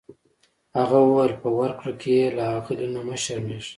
هغه وویل په ورکړه کې یې له اغلې نه مه شرمیږه.